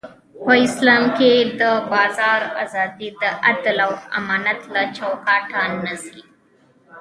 په اسلام کې د بازار ازادي د عدل او امانت له چوکاټه نه وځي.